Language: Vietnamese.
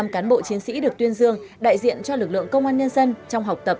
bảy mươi năm cán bộ chiến sĩ được tuyên dương đại diện cho lực lượng công an nhân dân trong học tập